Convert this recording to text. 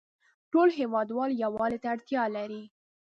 ټول هیوادوال یووالې ته اړتیا لری